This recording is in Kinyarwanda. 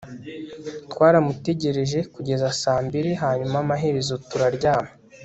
Twaramutegereje kugeza saa mbiri hanyuma amaherezo turaryama